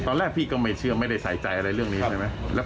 ตอนแรกพี่ก็ไม่เชื่อไม่ได้ใส่ใจอะไรเรื่องนี้ใช่ไหม